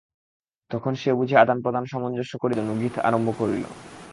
তখন সে বুঝি আদানপ্রদান-সামঞ্জস্য করিবার জন্য গীত আরম্ভ করিল।